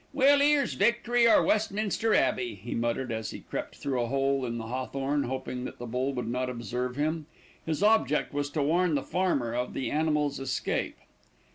"Well, 'ere's victory or Westminster Abbey," he muttered as he crept through a hole in the hawthorn, hoping that the bull would not observe him. His object was to warn the farmer of the animal's escape.